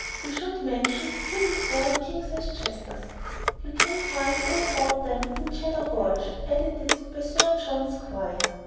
We should mention two historic king size Chesters. You can find out all about them in Cheddar Gorge, edited by Sir John Squire.